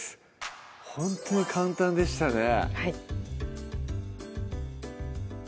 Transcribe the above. ほんとに簡単でしたね